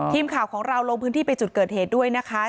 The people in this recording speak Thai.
ทีมข่าวของเราลงพื้นที่ไปจุดเกิดเหตุด้วยนะคะ